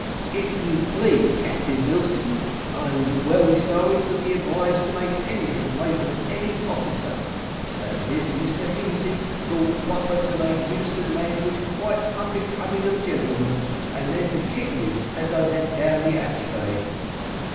"If you please, Captain Vilson, I am wery sorry to be obliged to make hany complaint of hany hofficer, but this Mr Heasy thought proper to make use of language quite hunbecoming of a gentleman, and then to kick me as I vent down the atchvay."